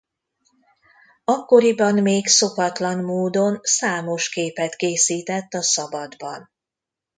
Akkoriban még szokatlan módon számos képet készített a szabadban.